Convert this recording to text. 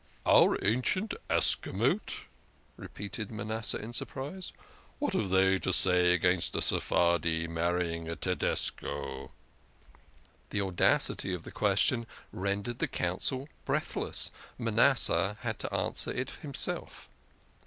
"Our ancient Ascamot. f" repeated Manasseh in surprise. "What have they to say against a Sephardi marrying a Tedesco?" The audacity of the question rendered the Council breathless. Manasseh had to answer it himself.